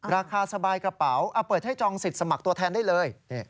ราคาสบายกระเป๋าเปิดให้จองสิทธิสมัครตัวแทนได้เลย